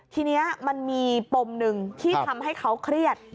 ทีนี้มันมีปมหนึ่งที่ทำให้เขาเครียด